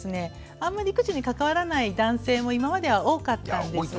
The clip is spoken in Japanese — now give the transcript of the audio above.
あんまり育児に関わらない男性も今までは多かったんですが。